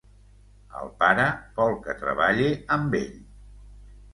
El pare vol que treballe amb ell.